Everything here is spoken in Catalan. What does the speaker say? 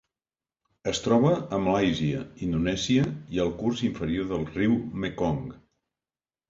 Es troba a Malàisia, Indonèsia i al curs inferior del riu Mekong.